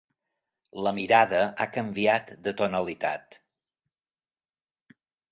La mirada ha canviat de tonalitat.